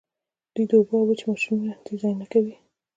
دوی د اوبو او وچې ماشینونه ډیزاین کوي.